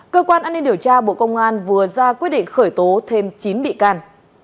cơ quan an ninh điều tra bộ công an vừa ra quyết định khởi tố thêm chín bị can